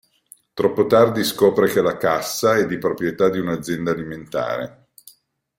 Troppo tardi scopre che la cassa è di proprietà di un'azienda alimentare.